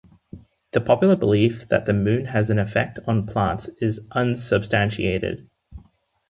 The popular belief that the moon has an effect on plants is unsubstantiated.